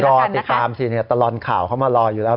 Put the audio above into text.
รอติดตามสิตลอดข่าวเขามารออยู่แล้ว